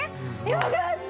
よかった！